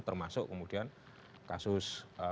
termasuk kemudian kasus